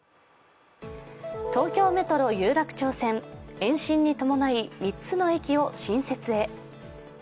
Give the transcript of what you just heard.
東京メトロ有楽町線、延伸に伴い、３つの駅を新設へ。